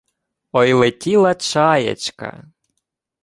Ой летіла чаєчка